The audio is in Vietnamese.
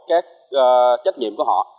các trách nhiệm của họ